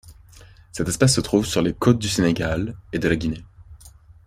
Cette espèce se trouve sur les côtés du Sénégal et de la Guinée.